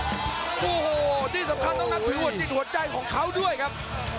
โอ้โหที่สำคัญต้องนับถือหัวจิตหัวใจของเขาด้วยครับ